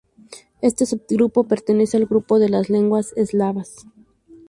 Este subgrupo pertenece al grupo de las Lenguas eslavas.